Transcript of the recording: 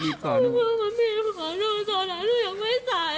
มันยิบขอหนูตอนนั้นหนูยังไม่สาย